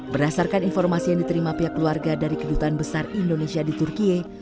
berdasarkan informasi yang diterima pihak keluarga dari kedutaan besar indonesia di turkiye